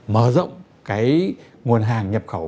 mở rộng cái nguồn hàng nhập khẩu